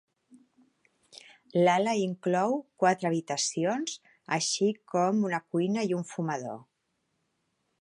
L'ala inclou quatre habitacions, així com una cuina i un fumador.